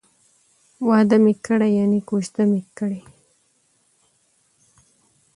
واده می کړی ،یعنی کوزده می کړې